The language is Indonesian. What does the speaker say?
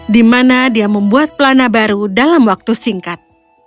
dimana dia membuat pelana baru dalam waktu singkat